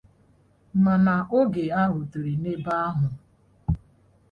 mana oge ha rutere n'ebe ahụ